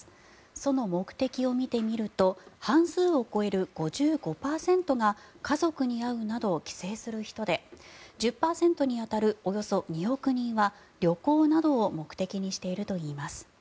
その目的を見てみると半数を超える５５％が家族に会うなど帰省する人で１０％に当たるおよそ２億人は旅行などを目的にしているといいます。